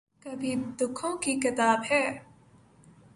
کبھی دکھوں کی کتاب ہے